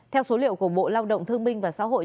theo số liệu của bộ lao động thương minh và xã hội